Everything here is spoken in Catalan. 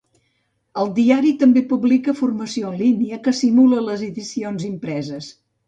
El diari també publica formació en línia que simula les edicions impreses.